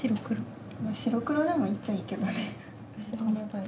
白黒でもいいっちゃいいけどね。